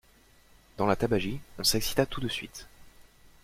Dans la tabagie, on s'excita tout de suite.